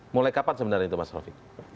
mulai kapan sebenarnya itu mas taufik